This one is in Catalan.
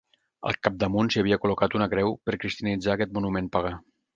Al capdamunt s'hi havia col·locat una creu per cristianitzar aquest monument pagà.